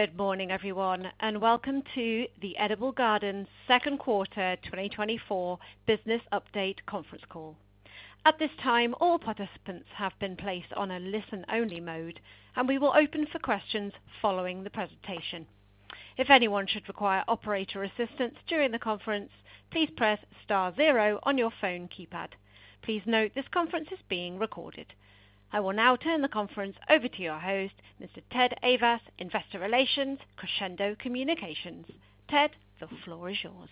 Good morning, everyone, and welcome to the Edible Garden's Second Quarter 2024 Business Update Conference Call. At this time, all participants have been placed on a listen-only mode, and we will open for questions following the presentation. If anyone should require operator assistance during the conference, please press star zero on your phone keypad. Please note, this conference is being recorded. I will now turn the conference over to your host, Mr. Ted Ayvas, Investor Relations, Crescendo Communications. Ted, the floor is yours.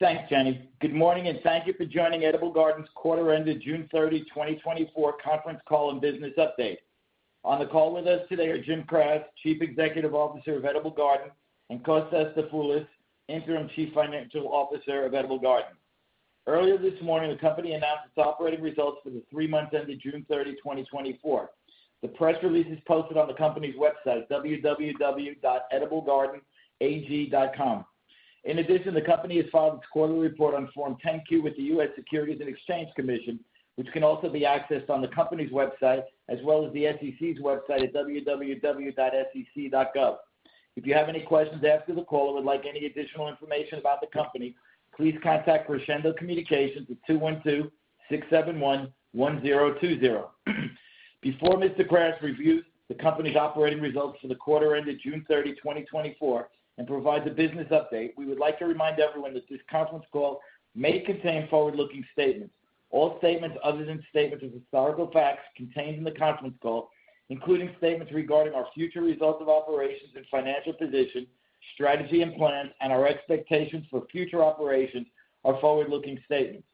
Thanks, Jenny. Good morning, and thank you for joining Edible Garden's Quarter-Ended June 30, 2024 Conference Call and Business Update. On the call with us today are Jim Kras, Chief Executive Officer of Edible Garden, and Kostas Dafoulas, Interim Chief Financial Officer of Edible Garden. Earlier this morning, the company announced its operating results for the three months ended June 30, 2024. The press release is posted on the company's website, www.ediblegardenag.com. In addition, the company has filed its quarterly report on Form 10-Q with the U.S. Securities and Exchange Commission, which can also be accessed on the company's website, as well as the SEC's website at www.sec.gov. If you have any questions after the call or would like any additional information about the company, please contact Crescendo Communications at 212-671-1020. Before Mr. Kras reviews the company's operating results for the quarter ended June 30, 2024, and provides a business update. We would like to remind everyone that this conference call may contain forward-looking statements. All statements other than statements of historical facts contained in the conference call, including statements regarding our future results of operations and financial position, strategy and plans, and our expectations for future operations, are forward-looking statements.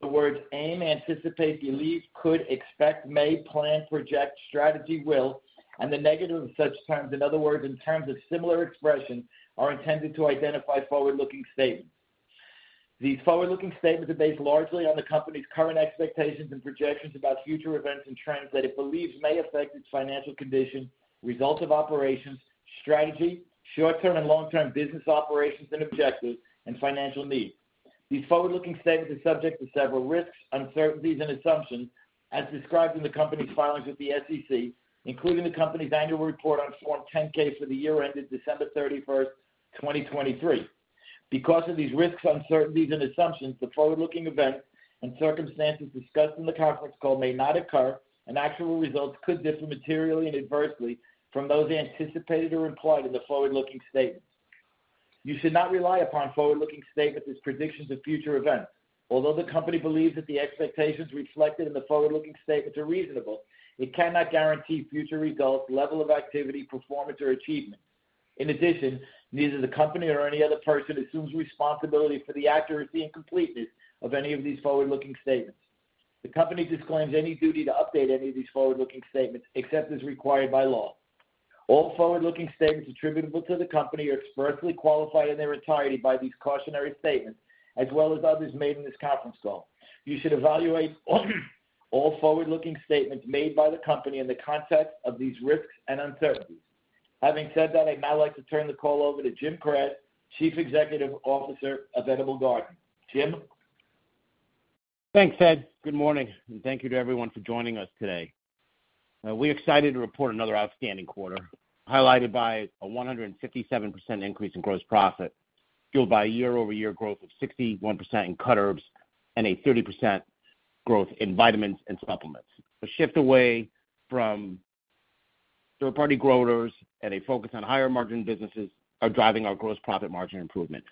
The words aim, anticipate, believe, could, expect, may, plan, project, strategy, will, and the negative of such terms, in other words, in terms of similar expression, are intended to identify forward-looking statements. These forward-looking statements are based largely on the company's current expectations and projections about future events and trends that it believes may affect its financial condition, results of operations, strategy, short-term and long-term business operations and objectives, and financial needs. These forward-looking statements are subject to several risks, uncertainties and assumptions as described in the company's filings with the SEC, including the company's annual report on Form 10-K for the year ended December 31, 2023. Because of these risks, uncertainties, and assumptions, the forward-looking events and circumstances discussed in the conference call may not occur, and actual results could differ materially and adversely from those anticipated or implied in the forward-looking statements. You should not rely upon forward-looking statements as predictions of future events. Although the company believes that the expectations reflected in the forward-looking statements are reasonable, it cannot guarantee future results, level of activity, performance, or achievement. In addition, neither the company or any other person assumes responsibility for the accuracy and completeness of any of these forward-looking statements. The company disclaims any duty to update any of these forward-looking statements except as required by law. All forward-looking statements attributable to the company are expressly qualified in their entirety by these cautionary statements, as well as others made in this conference call. You should evaluate all forward-looking statements made by the company in the context of these risks and uncertainties. Having said that, I'd now like to turn the call over to Jim Kras, Chief Executive Officer of Edible Garden. Jim? Thanks, Ted. Good morning, and thank you to everyone for joining us today. We're excited to report another outstanding quarter, highlighted by a 157% increase in gross profit, fueled by a year-over-year growth of 61% in cut herbs and a 30% growth in vitamins and supplements. A shift away from third-party growers and a focus on higher-margin businesses are driving our gross profit margin improvement.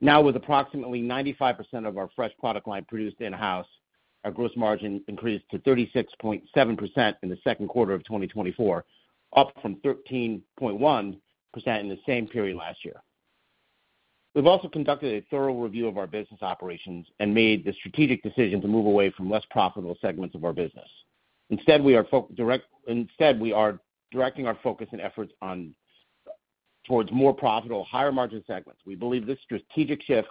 Now, with approximately 95% of our fresh product line produced in-house, our gross margin increased to 36.7% in the second quarter of 2024, up from 13.1% in the same period last year. We've also conducted a thorough review of our business operations and made the strategic decision to move away from less profitable segments of our business. Instead, we are directing our focus and efforts on, towards more profitable, higher-margin segments. We believe this strategic shift,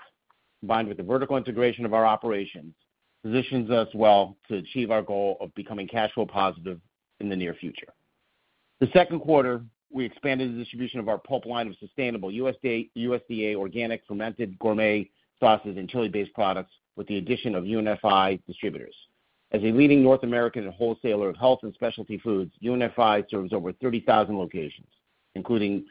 combined with the vertical integration of our operations, positions us well to achieve our goal of becoming cash flow positive in the near future. The second quarter, we expanded the distribution of our Pulp line of sustainable USDA organic, fermented gourmet sauces, and chili-based products with the addition of UNFI distributors. As a leading North American wholesaler of health and specialty foods, UNFI serves over 30,000 locations, including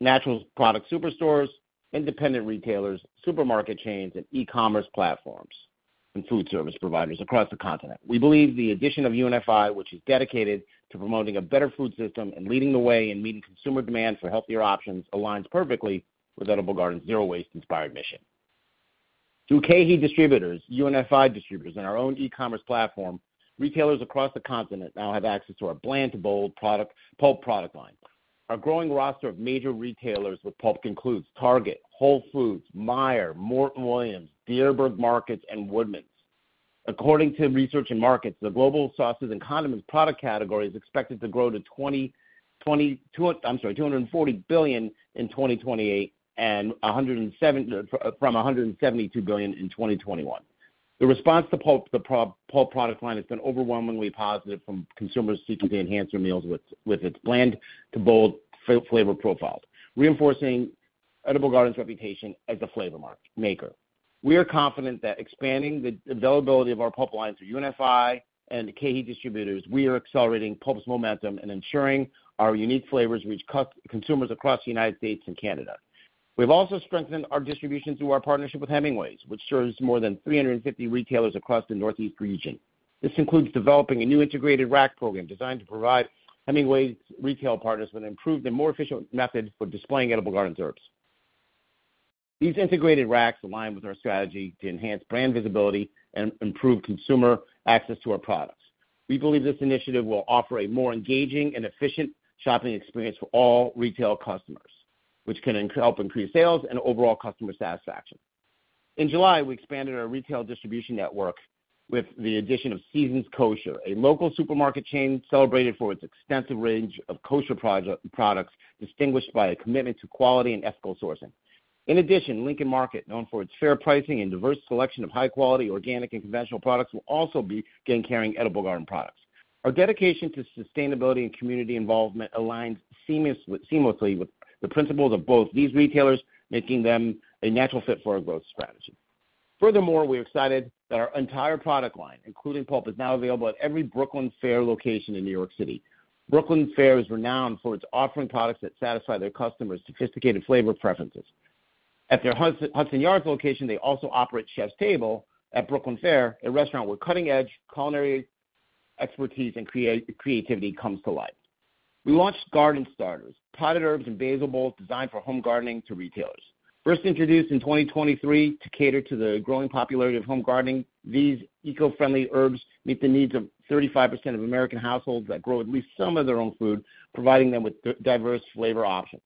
natural product superstores, independent retailers, supermarket chains, and e-commerce platforms, and food service providers across the continent. We believe the addition of UNFI, which is dedicated to promoting a better food system and leading the way in meeting consumer demand for healthier options, aligns perfectly with Edible Garden's zero-waste inspired mission. Through KeHE Distributors, UNFI Distributors, and our own e-commerce platform, retailers across the continent now have access to our Bland to Bold product-Pulp product line. Our growing roster of major retailers with Pulp includes Target, Whole Foods, Meijer, Morton Williams, Dierbergs Markets, and Woodman's. According to research in markets, the global sauces and condiments product category is expected to grow to $240 billion in 2028 from $172 billion in 2021. The response to Pulp, the Pulp product line has been overwhelmingly positive from consumers seeking to enhance their meals with its Bland to Bold flavor profiles, reinforcing Edible Garden's reputation as a flavor maker. We are confident that expanding the availability of our Pulp lines through UNFI and KeHE Distributors, we are accelerating Pulp's momentum and ensuring our unique flavors reach consumers across the United States and Canada. We've also strengthened our distribution through our partnership with Hemingway's, which serves more than 350 retailers across the Northeast region. This includes developing a new integrated rack program designed to provide Hemingway's retail partners with improved and more efficient methods for displaying Edible Garden's herbs. These integrated racks align with our strategy to enhance brand visibility and improve consumer access to our products. We believe this initiative will offer a more engaging and efficient shopping experience for all retail customers, which can help increase sales and overall customer satisfaction. In July, we expanded our retail distribution network with the addition of Seasons Kosher, a local supermarket chain celebrated for its extensive range of kosher products, distinguished by a commitment to quality and ethical sourcing. In addition, Lincoln Market, known for its fair pricing and diverse selection of high quality, organic and conventional products, will also be beginning carrying Edible Garden products. Our dedication to sustainability and community involvement aligns seamlessly with the principles of both these retailers, making them a natural fit for our growth strategy. Furthermore, we are excited that our entire product line, including Pulp, is now available at every Brooklyn Fare location in New York City. Brooklyn Fare is renowned for its offering products that satisfy their customers' sophisticated flavor preferences. At their Hudson Yards location, they also operate Chef's Table at Brooklyn Fare, a restaurant where cutting-edge culinary expertise and creativity comes to life. We launched Garden Starters, potted herbs and basil bowls designed for home gardening to retailers. First introduced in 2023 to cater to the growing popularity of home gardening, these eco-friendly herbs meet the needs of 35% of American households that grow at least some of their own food, providing them with diverse flavor options.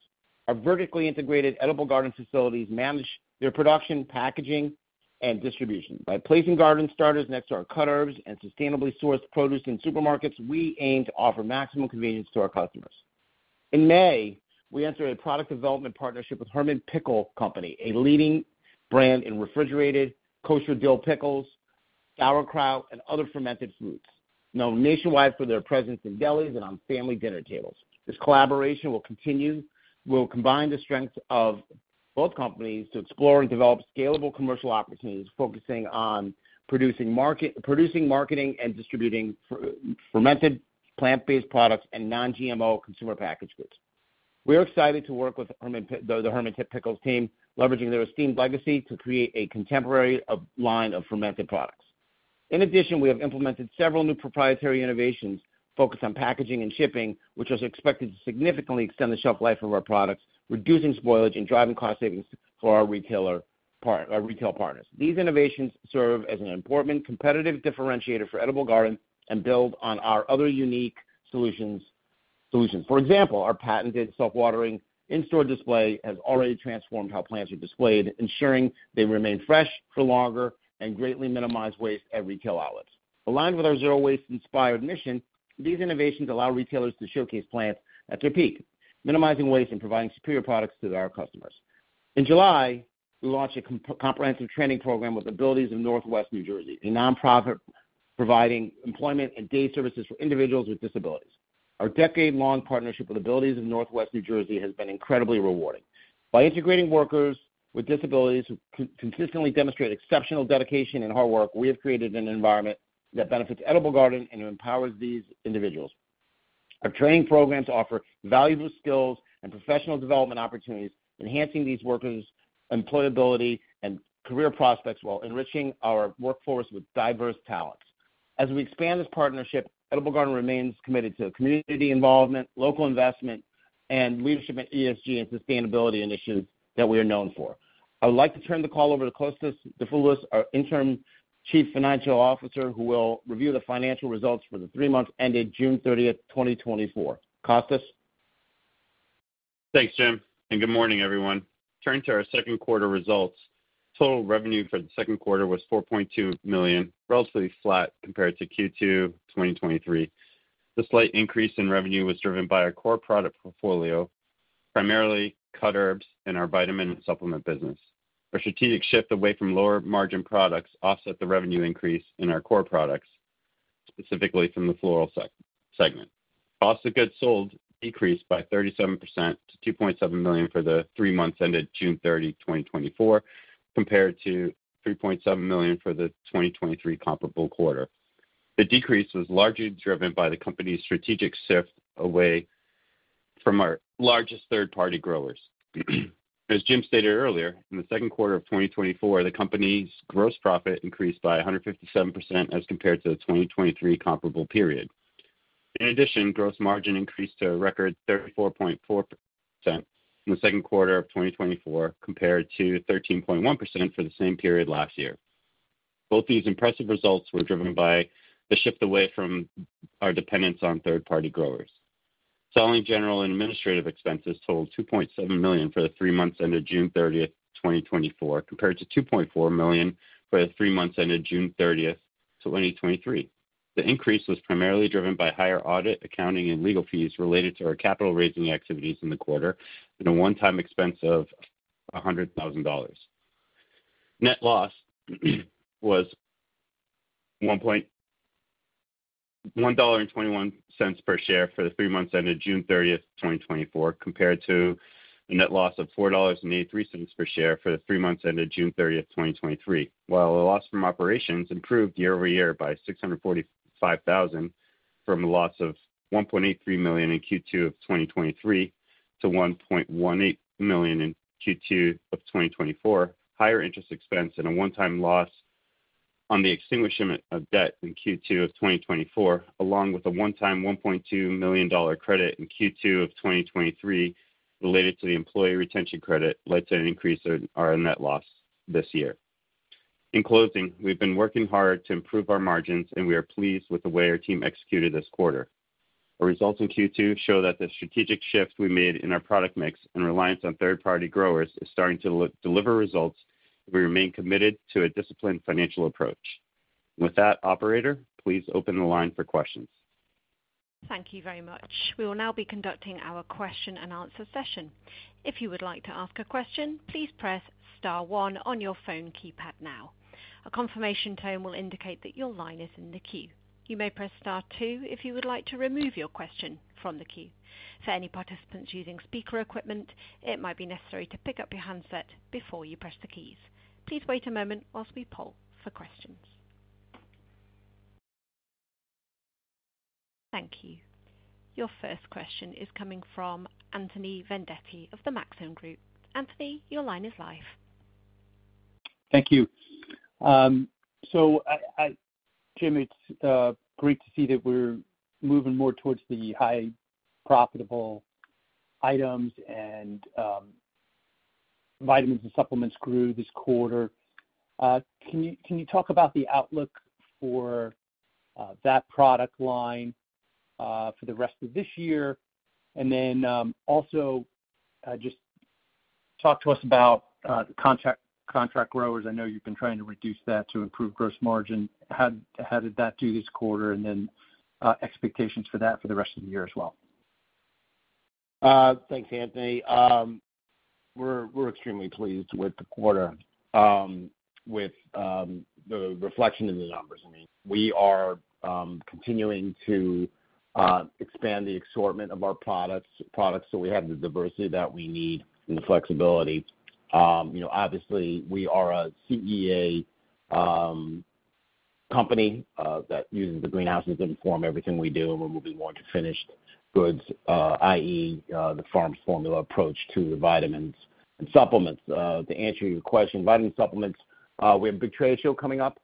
Our vertically integrated Edible Garden facilities manage their production, packaging, and distribution. By placing Garden Starters next to our cut herbs and sustainably sourced produce in supermarkets, we aim to offer maximum convenience to our customers. In May, we entered a product development partnership with Hermann Pickle Company, a leading brand in refrigerated kosher dill pickles, sauerkraut, and other fermented foods, known nationwide for their presence in delis and on family dinner tables. This collaboration will continue, will combine the strengths of both companies to explore and develop scalable commercial opportunities, focusing on producing, marketing, and distributing fermented plant-based products and non-GMO consumer packaged goods. We are excited to work with Hermann Pi- the Hermann Pickles team, leveraging their esteemed legacy to create a contemporary line of fermented products. In addition, we have implemented several new proprietary innovations focused on packaging and shipping, which is expected to significantly extend the shelf life of our products, reducing spoilage and driving cost savings for our retailer part- our retail partners. These innovations serve as an important competitive differentiator for Edible Garden and build on our other unique solutions. For example, our patented self-watering in-store display has already transformed how plants are displayed, ensuring they remain fresh for longer and greatly minimize waste at retail outlets. Aligned with our zero waste inspired mission, these innovations allow retailers to showcase plants at their peak, minimizing waste and providing superior products to our customers. In July, we launched a comprehensive training program with Abilities of Northwest New Jersey, a nonprofit providing employment and day services for individuals with disabilities. Our decade-long partnership with Abilities in Northwest New Jersey has been incredibly rewarding. By integrating workers with disabilities, who consistently demonstrate exceptional dedication and hard work, we have created an environment that benefits Edible Garden and empowers these individuals. Our training programs offer valuable skills and professional development opportunities, enhancing these workers' employability and career prospects, while enriching our workforce with diverse talents. As we expand this partnership, Edible Garden remains committed to community involvement, local investment, and leadership in ESG and sustainability initiatives that we are known for. I would like to turn the call over to Kostas Dafoulas, our Interim Chief Financial Officer, who will review the financial results for the three months ended June 30, 2024. Kostas? Thanks, Jim, and good morning, everyone. Turning to our second quarter results, total revenue for the second quarter was $4.2 million, relatively flat compared to Q2 2023. The slight increase in revenue was driven by our core product portfolio, primarily cut herbs and our vitamin supplement business. Our strategic shift away from lower margin products offset the revenue increase in our core products, specifically from the floral segment. Cost of goods sold decreased by 37% to $2.7 million for the three months ended June 30, 2024, compared to $3.7 million for the 2023 comparable quarter. The decrease was largely driven by the company's strategic shift away from our largest third-party growers. As Jim stated earlier, in the second quarter of 2024, the company's gross profit increased by 157% as compared to the 2023 comparable period. In addition, gross margin increased to a record 34.4% in the second quarter of 2024, compared to 13.1% for the same period last year. Both these impressive results were driven by the shift away from our dependence on third-party growers. Selling general and administrative expenses totaled $2.7 million for the three months ended June thirtieth, 2024, compared to $2.4 million for the three months ended June thirtieth, 2023. The increase was primarily driven by higher audit, accounting, and legal fees related to our capital raising activities in the quarter, and a one-time expense of $100,000. Net loss was one point... ... $1.21 per share for the three months ended June 30, 2024, compared to the net loss of $4.83 per share for the three months ended June 30, 2023. While the loss from operations improved year over year by $645,000 from a loss of $1.83 million in Q2 of 2023 to $1.18 million in Q2 of 2024, higher interest expense and a one-time loss on the extinguishment of debt in Q2 of 2024, along with a one-time $1.2 million dollar credit in Q2 of 2023 related to the employee retention credit, led to an increase in our net loss this year. In closing, we've been working hard to improve our margins, and we are pleased with the way our team executed this quarter. Our results in Q2 show that the strategic shift we made in our product mix and reliance on third-party growers is starting to deliver results, and we remain committed to a disciplined financial approach. With that, operator, please open the line for questions. Thank you very much. We will now be conducting our question and answer session. If you would like to ask a question, please press star one on your phone keypad now. A confirmation tone will indicate that your line is in the queue. You may press star two if you would like to remove your question from the queue. For any participants using speaker equipment, it might be necessary to pick up your handset before you press the keys. Please wait a moment while we poll for questions. Thank you. Your first question is coming from Anthony Vendetti of the Maxim Group. Anthony, your line is live. Thank you. So, Jim, it's great to see that we're moving more towards the high profitable items and vitamins and supplements grew this quarter. Can you talk about the outlook for that product line for the rest of this year? And then, also, just talk to us about the contract growers. I know you've been trying to reduce that to improve gross margin. How did that do this quarter? And then, expectations for that for the rest of the year as well. Thanks, Anthony. We're extremely pleased with the quarter, with the reflection in the numbers, I mean. We are continuing to expand the assortment of our products, so we have the diversity that we need and the flexibility. You know, obviously, we are a CEA company that uses the greenhouses inform everything we do, and we're moving more to finished goods, i.e., the farm's formula approach to the vitamins and supplements. To answer your question, vitamin supplements, we have a big trade show coming up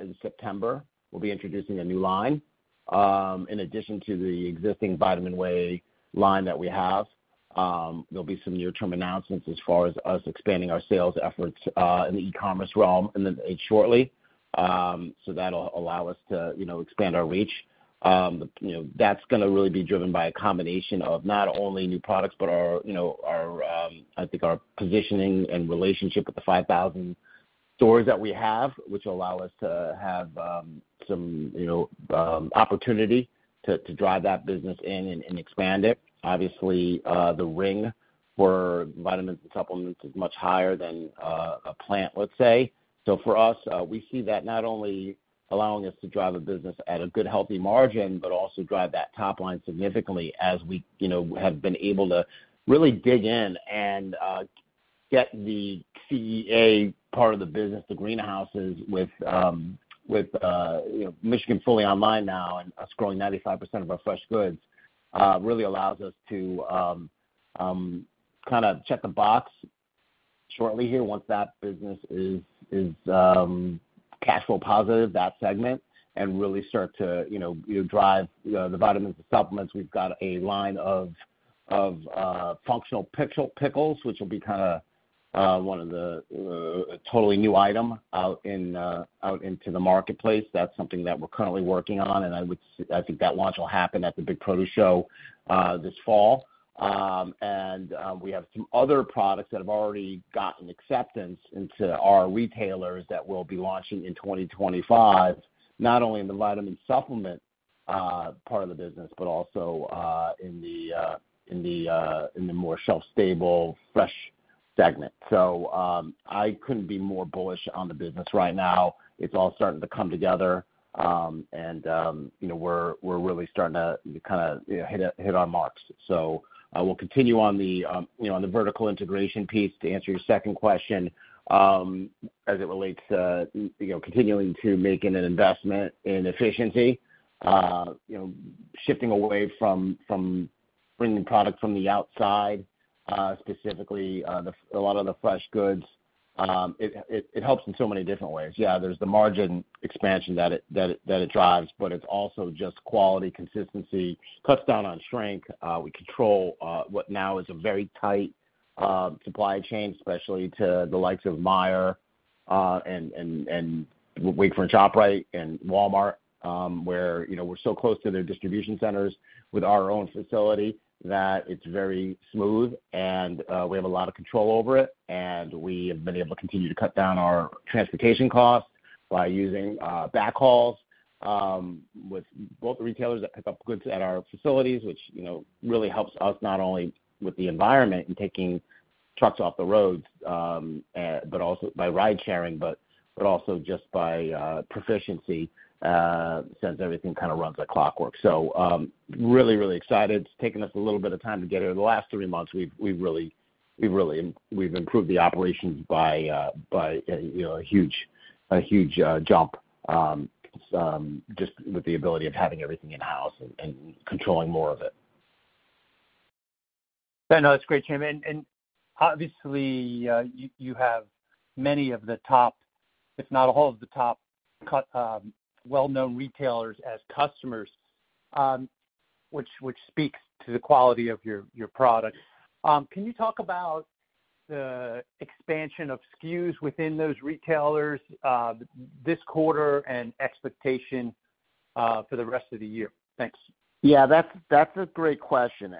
in September. We'll be introducing a new line in addition to the existing Vitamin Way line that we have. There'll be some near-term announcements as far as us expanding our sales efforts in the e-commerce realm, and then shortly. So that'll allow us to, you know, expand our reach. You know, that's gonna really be driven by a combination of not only new products, but our, you know, our, I think our positioning and relationship with the 5,000 stores that we have, which allow us to have, some, you know, opportunity to drive that business in and expand it. Obviously, the ring for vitamins and supplements is much higher than a plant, let's say. So for us, we see that not only allowing us to drive a business at a good, healthy margin, but also drive that top line significantly as we, you know, have been able to really dig in and get the CEA part of the business, the greenhouses, with, you know, Michigan fully online now and us growing 95% of our fresh goods, really allows us to kind of check the box shortly here once that business is cash flow positive, that segment, and really start to, you know, drive the vitamins and supplements. We've got a line of functional pickles, which will be kind of one of the a totally new item out in out into the marketplace. That's something that we're currently working on, and I think that launch will happen at the Big Produce show this fall. And we have some other products that have already gotten acceptance into our retailers that we'll be launching in 2025, not only in the vitamin supplement part of the business, but also in the more shelf-stable, fresh segment. So I couldn't be more bullish on the business right now. It's all starting to come together, and you know, we're really starting to kind of you know hit our marks. So I will continue on the, you know, on the vertical integration piece, to answer your second question, as it relates to, you know, continuing to making an investment in efficiency, you know, shifting away from bringing product from the outside, specifically, a lot of the fresh goods. It helps in so many different ways. Yeah, there's the margin expansion that it drives, but it's also just quality, consistency, cuts down on shrink. We control what now is a very tight supply chain, especially to the likes of Meijer, and Wakefern ShopRite and Walmart, where, you know, we're so close to their distribution centers with our own facility, that it's very smooth and we have a lot of control over it, and we have been able to continue to cut down our transportation costs by using backhauls with both the retailers that pick up goods at our facilities, which, you know, really helps us not only with the environment and taking trucks off the road, but also by ride sharing, but also just by efficiency, since everything kind of runs like clockwork. So, really, really excited. It's taken us a little bit of time to get here. The last three months, we've really improved the operations by, by, you know, a huge jump, some just with the ability of having everything in-house and controlling more of it. I know that's great, Jim. And obviously, you have many of the top, if not all of the top, well-known retailers as customers, which speaks to the quality of your product. Can you talk about the expansion of SKUs within those retailers, this quarter and expectation, for the rest of the year? Thanks. Yeah, that's a great question.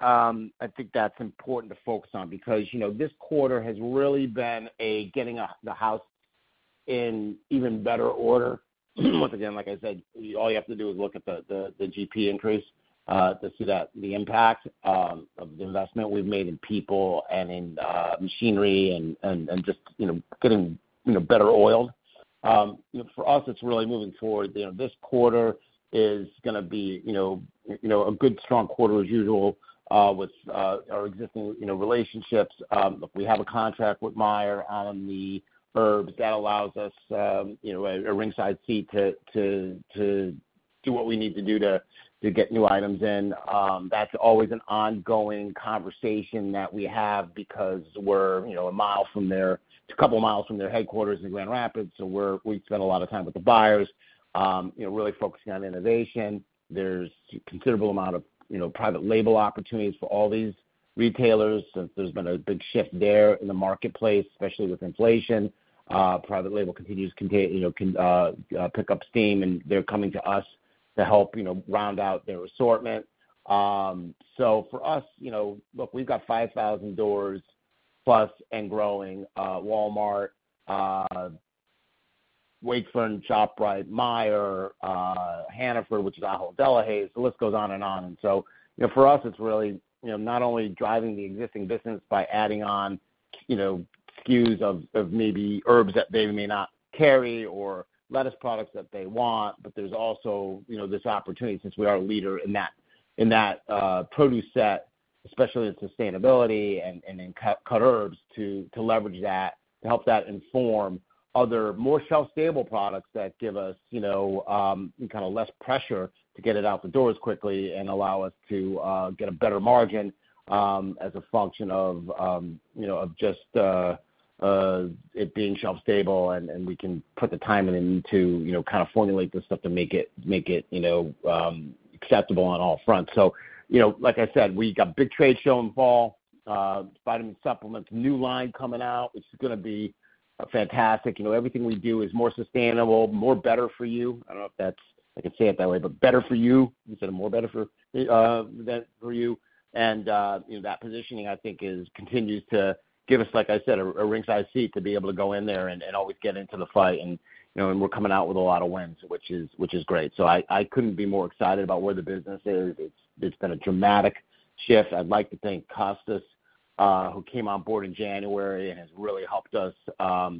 I think that's important to focus on because, you know, this quarter has really been getting the house in even better order. Once again, like I said, all you have to do is look at the GP increase to see that the impact of the investment we've made in people and in machinery and just, you know, getting better oiled. You know, for us, it's really moving forward. You know, this quarter is gonna be a good, strong quarter as usual with our existing relationships. Look, we have a contract with Meijer on the herbs that allows us, you know, a ringside seat to do what we need to do to get new items in. That's always an ongoing conversation that we have because we're, you know, a mile from their. It's a couple of miles from their headquarters in Grand Rapids, so we spend a lot of time with the buyers, you know, really focusing on innovation. There's a considerable amount of, you know, private label opportunities for all these retailers. Since there's been a big shift there in the marketplace, especially with inflation, private label continues, you know, pick up steam, and they're coming to us to help, you know, round out their assortment. So for us, you know, look, we've got 5,000 doors plus and growing, Walmart, Wakefern, ShopRite, Meijer, Hannaford, which is Ahold Delhaize. The list goes on and on. And so, you know, for us, it's really, you know, not only driving the existing business by adding on, you know, SKUs of maybe herbs that they may not carry or lettuce products that they want, but there's also, you know, this opportunity, since we are a leader in that produce set, especially in sustainability and in cut herbs, to leverage that, to help that inform other more shelf-stable products that give us, you know, kind of less pressure to get it out the doors quickly and allow us to get a better margin, as a function of, you know, of just it being shelf stable, and we can put the time in and to, you know, kind of formulate this stuff to make it, you know, acceptable on all fronts. So, you know, like I said, we got a big trade show in fall, vitamin supplements, new line coming out, which is gonna be fantastic. You know, everything we do is more sustainable, more better for you. I don't know if that's... I can say it that way, but better for you instead of more better for, better for you. And, you know, that positioning, I think, is continues to give us, like I said, a, a ringside seat to be able to go in there and, and always get into the fight. And, you know, and we're coming out with a lot of wins, which is, which is great. So I, I couldn't be more excited about where the business is. It's, it's been a dramatic shift. I'd like to thank Kostas, who came on board in January and has really helped us,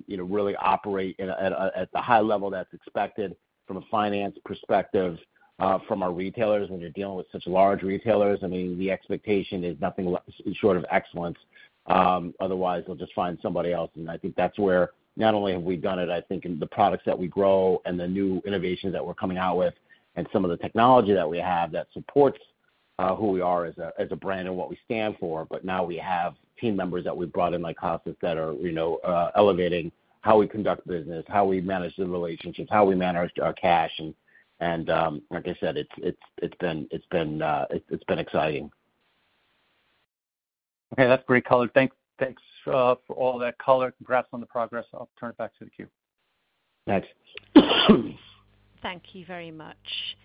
you know, really operate at a high level that's expected from a finance perspective, from our retailers. When you're dealing with such large retailers, I mean, the expectation is nothing short of excellence. Otherwise, they'll just find somebody else. And I think that's where not only have we done it, I think, in the products that we grow and the new innovations that we're coming out with and some of the technology that we have that supports who we are as a brand and what we stand for, but now we have team members that we've brought in, like Kostas, that are, you know, elevating how we conduct business, how we manage the relationships, how we manage our cash. Like I said, it's been exciting. Okay, that's great color. Thanks for all that color. Congrats on the progress. I'll turn it back to the queue. Thanks. Thank you very much.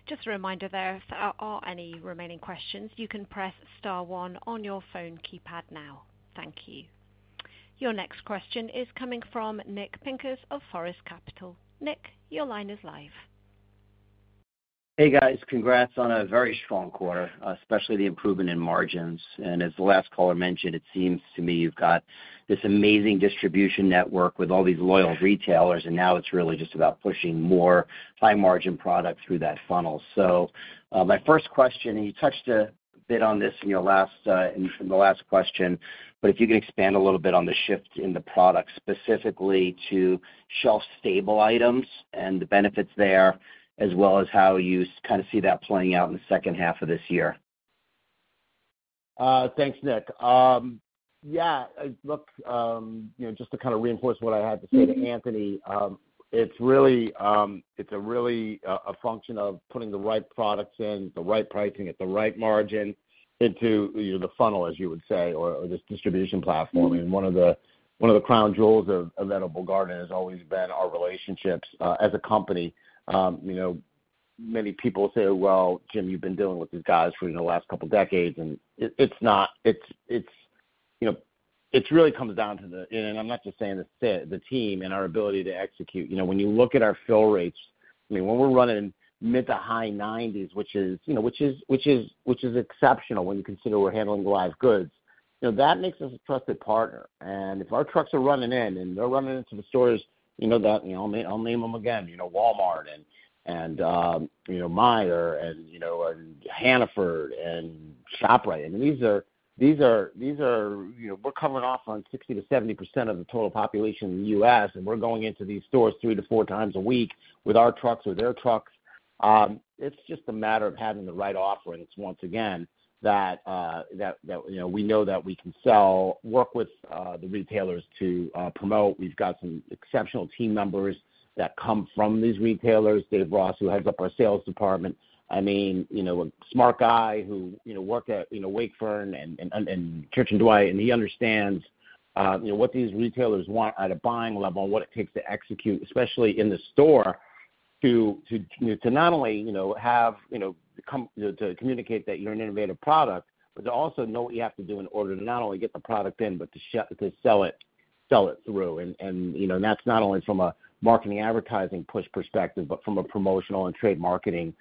Just a reminder there, if there are any remaining questions, you can press star one on your phone keypad now. Thank you. Your next question is coming from Nick Pincus of Forest Capital. Nick, your line is live. Hey, guys. Congrats on a very strong quarter, especially the improvement in margins. As the last caller mentioned, it seems to me you've got this amazing distribution network with all these loyal retailers, and now it's really just about pushing more high-margin product through that funnel. My first question, and you touched a bit on this in the last question, but if you could expand a little bit on the shift in the product, specifically to shelf-stable items and the benefits there, as well as how you kind of see that playing out in the second half of this year. Thanks, Nick. Yeah, look, you know, just to kind of reinforce what I had to say to Anthony, it's really, it's a really, a function of putting the right products in, the right pricing at the right margin into, you know, the funnel, as you would say, or, or this distribution platform. I mean, one of the crown jewels of Edible Garden has always been our relationships, as a company. You know, many people say, "Well, Jim, you've been dealing with these guys for the last couple of decades," and it's not. It's, you know, it really comes down to the... I'm not just saying this, the team and our ability to execute. You know, when you look at our fill rates-... I mean, when we're running mid- to high 90s, which is, you know, which is, which is, which is exceptional when you consider we're handling live goods, you know, that makes us a trusted partner. And if our trucks are running in, and they're running into the stores, you know, that, you know, I'll name, I'll name them again, you know, Walmart and, and, you know, Meijer and, you know, and Hannaford and ShopRite. I mean, these are, these are, these are, you know, we're coming off on 60%-70% of the total population in the U.S., and we're going into these stores 3-4 times a week with our trucks or their trucks. It's just a matter of having the right offerings, once again, that, that, that, you know, we know that we can sell, work with, the retailers to, promote. We've got some exceptional team members that come from these retailers. David Ross, who heads up our sales department, I mean, you know, a smart guy who, you know, worked at, you know, Wakefern and, and, and Church & Dwight, and he understands, you know, what these retailers want at a buying level and what it takes to execute, especially in the store, to, to, to not only, you know, have, you know, to communicate that you're an innovative product, but to also know what you have to do in order to not only get the product in, but to sell it, sell it through. And, you know, that's not only from a marketing advertising push perspective, but from a promotional and trade marketing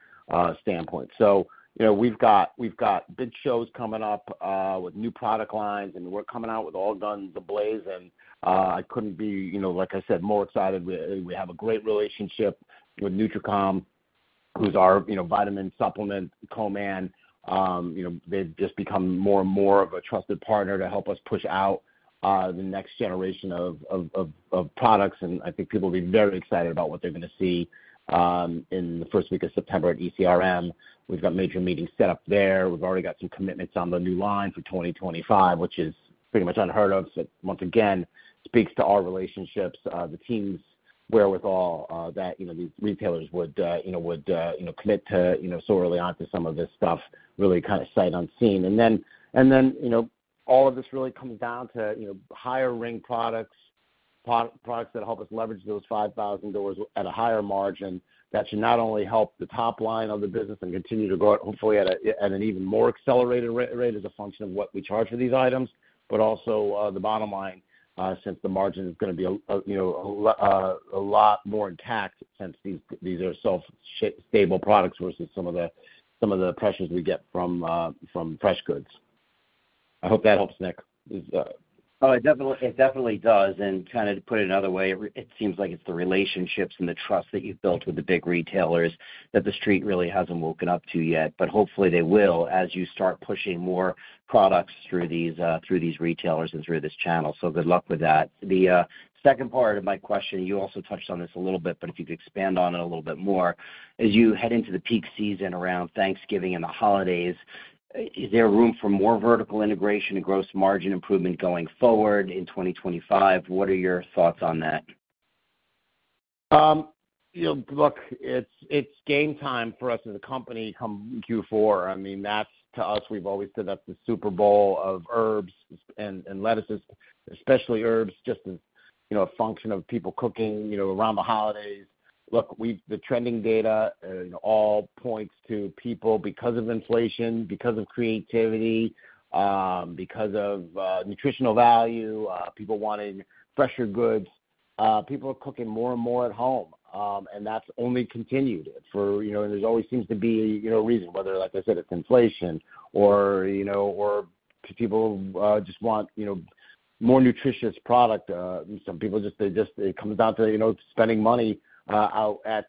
standpoint. So, you know, we've got big shows coming up with new product lines, and we're coming out with all guns ablaze, and I couldn't be, you know, like I said, more excited. We have a great relationship with Nutracom, who's our, you know, vitamin supplement co-man. You know, they've just become more and more of a trusted partner to help us push out the next generation of products. And I think people will be very excited about what they're gonna see in the first week of September at ECRM. We've got major meetings set up there. We've already got some commitments on the new line for 2025, which is pretty much unheard of. So once again, speaks to our relationships, the team's wherewithal, that, you know, these retailers would, you know, would, you know, commit to, you know, so early on to some of this stuff, really kind of sight unseen. And then, and then, you know, all of this really comes down to, you know, higher ring products, pro- products that help us leverage those 5,000 doors at a higher margin. That should not only help the top line of the business and continue to grow it, hopefully at an even more accelerated rate, as a function of what we charge for these items, but also the bottom line, since the margin is gonna be, you know, a lot more intact, since these are stable products versus some of the pressures we get from fresh goods. I hope that helps, Nick. Oh, it definitely, it definitely does. And to kind of put it another way, it seems like it's the relationships and the trust that you've built with the big retailers, that the street really hasn't woken up to yet. But hopefully, they will, as you start pushing more products through these, through these retailers and through this channel. So good luck with that. The second part of my question, you also touched on this a little bit, but if you could expand on it a little bit more. As you head into the peak season around Thanksgiving and the holidays, is there room for more vertical integration and gross margin improvement going forward in 2025? What are your thoughts on that? You know, look, it's game time for us as a company come Q4. I mean, that's to us, we've always said that's the Super Bowl of herbs and lettuces, especially herbs, just as you know a function of people cooking you know around the holidays. Look, we've the trending data and all points to people because of inflation, because of creativity, because of nutritional value, people wanting fresher goods, people are cooking more and more at home, and that's only continued. You know, there's always seems to be you know a reason, whether like I said it's inflation or you know or people just want you know more nutritious product. Some people just, they just it comes down to you know spending money out at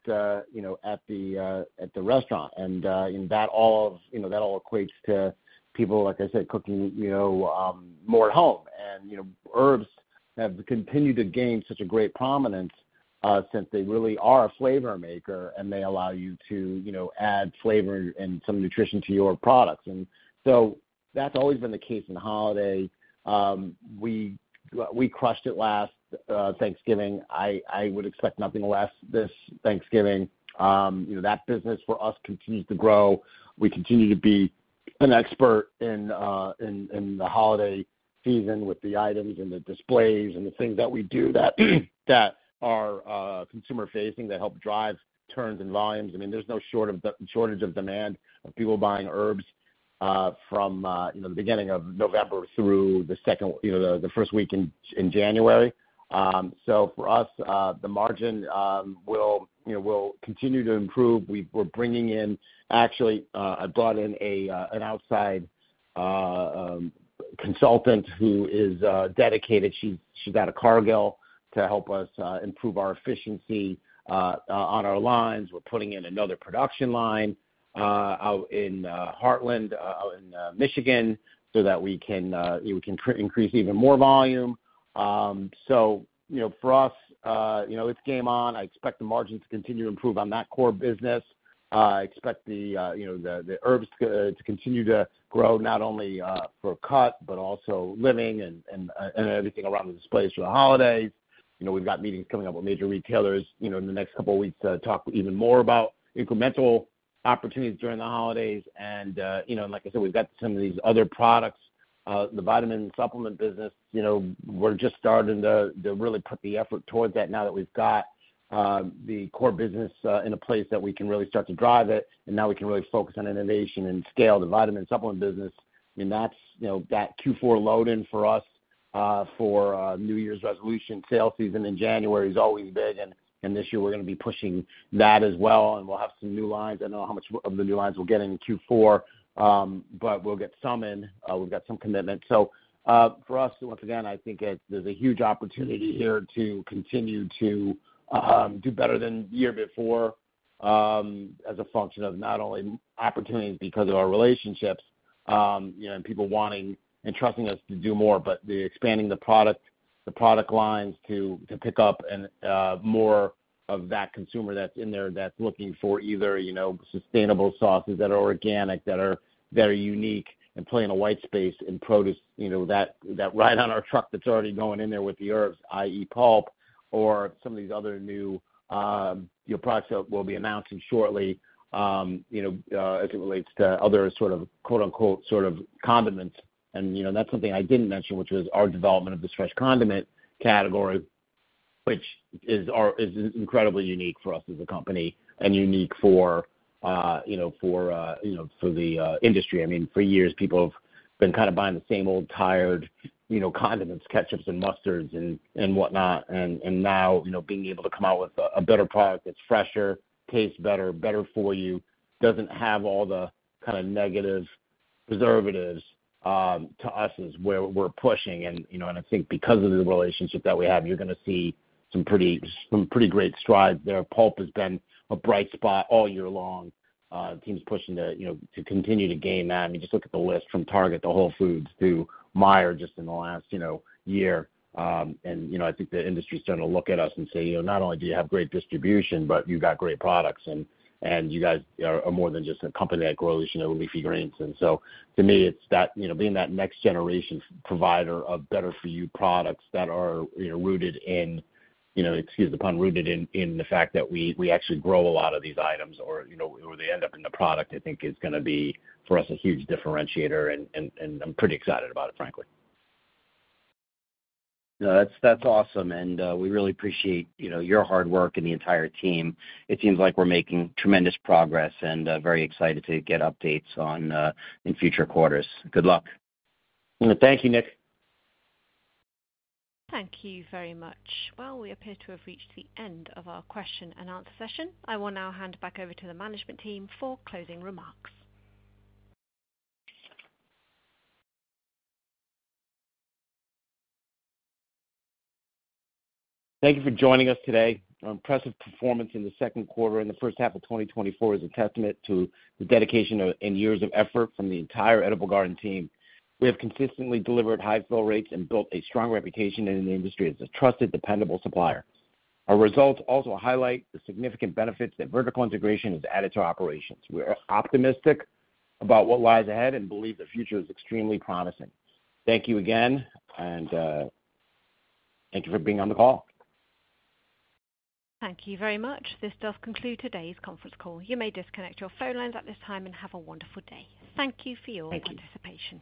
you know at the restaurant. And that all, you know, that all equates to people, like I said, cooking, you know, more at home. You know, herbs have continued to gain such a great prominence, since they really are a flavor maker, and they allow you to, you know, add flavor and some nutrition to your products. And so that's always been the case in holiday. We crushed it last Thanksgiving. I would expect nothing less this Thanksgiving. You know, that business for us continues to grow. We continue to be an expert in the holiday season with the items and the displays and the things that we do that are consumer facing, that help drive turns and volumes. I mean, there's no shortage of demand from people buying herbs, you know, from the beginning of November through the second week, you know, the first week in January. So for us, the margin will, you know, will continue to improve. We're bringing in... Actually, I brought in an outside consultant who is dedicated, she's out of Cargill, to help us improve our efficiency on our lines. We're putting in another production line out in Heartland in Michigan, so that we can increase even more volume. So you know, for us, it's game on. I expect the margin to continue to improve on that core business. I expect the, you know, the herbs to continue to grow, not only for cut, but also living and everything around the displays for the holidays. You know, we've got meetings coming up with major retailers, you know, in the next couple of weeks to talk even more about incremental opportunities during the holidays. And, you know, like I said, we've got some of these other products, the vitamin supplement business. You know, we're just starting to really put the effort towards that now that we've got the core business in a place that we can really start to drive it, and now we can really focus on innovation and scale the vitamin supplement business. I mean, that's, you know, that Q4 load-in for us-... For a New Year's resolution sales season in January is always big, and this year we're gonna be pushing that as well, and we'll have some new lines. I don't know how much of the new lines we'll get in Q4, but we'll get some in. We've got some commitments. So, for us, once again, I think there's a huge opportunity here to continue to do better than the year before, as a function of not only opportunities because of our relationships, you know, and people wanting and trusting us to do more, but expanding the product, the product lines to pick up and more of that consumer that's in there, that's looking for either, you know, sustainable sauces that are organic, that are very unique and play in a white space in produce. You know, that ride on our truck that's already going in there with the herbs, i.e., Pulp or some of these other new products that we'll be announcing shortly, you know, as it relates to other sort of quote-unquote sort of condiments. You know, that's something I didn't mention, which was our development of this fresh condiment category, which is our is incredibly unique for us as a company and unique for, you know, for the industry. I mean, for years, people have been kind of buying the same old tired, you know, condiments, ketchups and mustards and whatnot. And now, you know, being able to come out with a better product that's fresher, tastes better, better for you, doesn't have all the kind of negative preservatives, to us, is where we're pushing. And, you know, and I think because of the relationship that we have, you're gonna see some pretty, some pretty great strides there. Pulp has been a bright spot all year long. The team's pushing to, you know, to continue to gain that. I mean, just look at the list from Target to Whole Foods to Meijer just in the last, you know, year. And, you know, I think the industry's starting to look at us and say, "You know, not only do you have great distribution, but you've got great products, and you guys are more than just a company that grows, you know, leafy greens." And so for me, it's that, you know, being that next generation provider of better for you products that are, you know, rooted in, you know, excuse the pun, rooted in the fact that we actually grow a lot of these items or, you know, or they end up in the product, I think is gonna be, for us, a huge differentiator, and I'm pretty excited about it, frankly. No, that's, that's awesome. We really appreciate, you know, your hard work and the entire team. It seems like we're making tremendous progress and very excited to get updates on in future quarters. Good luck. Thank you, Nick. Thank you very much. Well, we appear to have reached the end of our question and answer session. I will now hand it back over to the management team for closing remarks. Thank you for joining us today. Our impressive performance in the second quarter and the first half of 2024 is a testament to the dedication of, and years of effort from the entire Edible Garden team. We have consistently delivered high fill rates and built a strong reputation in the industry as a trusted, dependable supplier. Our results also highlight the significant benefits that vertical integration has added to our operations. We are optimistic about what lies ahead and believe the future is extremely promising. Thank you again, and thank you for being on the call. Thank you very much. This does conclude today's conference call. You may disconnect your phone lines at this time and have a wonderful day. Thank you for your participation.